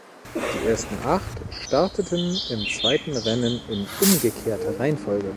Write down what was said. Die ersten Acht starteten im zweiten Rennen in umgekehrter Reihenfolge.